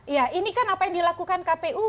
ya ini kan apa yang dilakukan kpu